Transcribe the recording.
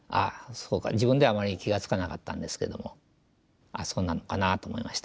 そうか自分ではあまり気が付かなかったんですけどもああそうなのかなと思いました。